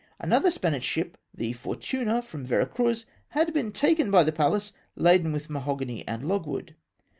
Another Spanish ship, the Fortiina, from Vera Cruz, had been taken by the Pallas, laden with mahogany and logwood.